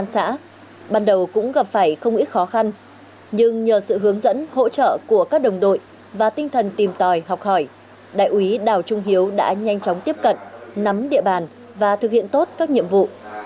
ban đầu cũng gặp phải không ít khó khăn nhưng nhờ sự hướng dẫn hỗ trợ của các đồng đội và tinh thần tìm tòi học hỏi đại úy đào trung hiếu đã nhanh chóng tiếp cận nắm địa bàn và thực hiện tốt các nhiệm vụ